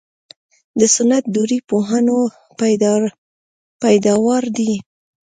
د سنت دورې پوهنو پیداوار دي.